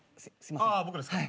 ああ僕ですか？